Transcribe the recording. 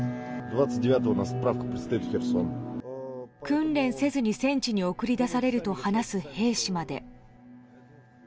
訓練せずに、戦地に送り出されると話す兵士まで。